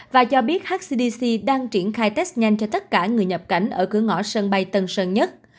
và cho biết hcdc đang triển khai test nhanh cho tất cả người nhập cảnh ở cửa ngõ sân bay tân sơn nhất